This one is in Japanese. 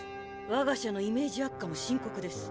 わが社のイメージ悪化も深刻です。